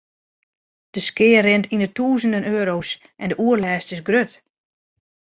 De skea rint yn 'e tûzenen euro's en de oerlêst is grut.